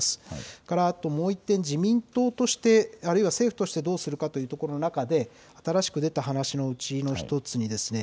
それから、もう１点自民党としてあるいは政府としてどうするかというところの中で新しく出た話のうちの１つにですね